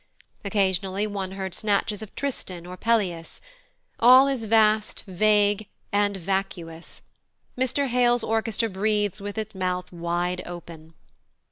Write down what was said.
Occasionally one heard snatches of Tristan or Pelléas. All is vast, vague, and vacuous. Mr Hale's orchestra breathes with its mouth wide open."